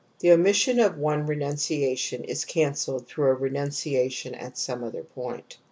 The omission of one renunciation is cancelled through a renunciation at some other point.